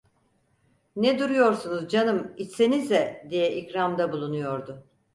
"Ne duruyorsunuz canım, içsenize!" diye ikramda bulunuyordu.